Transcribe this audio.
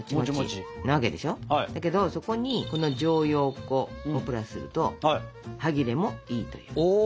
だけどそこにこの薯蕷粉をプラスすると歯切れもいいという。